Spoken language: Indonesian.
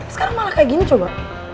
sekarang malah kayak gini coba